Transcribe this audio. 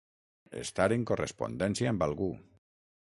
Estar en correspondència amb algú.